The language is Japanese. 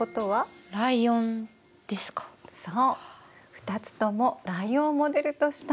２つともライオンをモデルとしたものなのね。